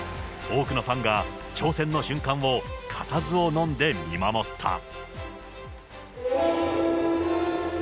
多くのファンが挑戦の瞬間を固唾をのんで見守った。